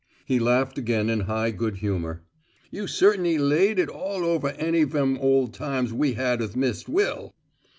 He laughed again in high good humour. "You cert'n'y laid it all over any vem ole times we had 'ith Mist' Will!"